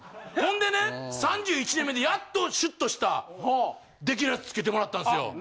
ほんでね３１年目でやっとシュッとしたできるヤツつけてもらったんですよ。